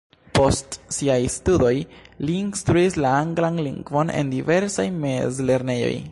Post siaj studoj li instruis la anglan lingvon en diversaj mezlernejoj.